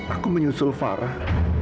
aku menyusul farah